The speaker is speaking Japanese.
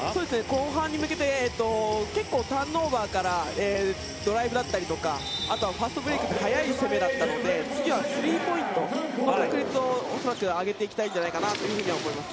後半に向けて結構、ターンオーバーからドライブだったりとかあとはファストブレークとか速いパスだったので次なスリーポイントの確率を恐らく上げていきたいのではと思います。